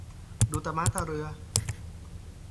ดูตาม้าตาเรือ